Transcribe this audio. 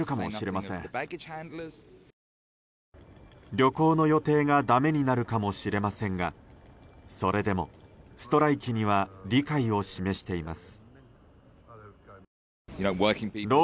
旅行の予定がだめになるかもしれませんがそれでも、ストライキには理解を示しています。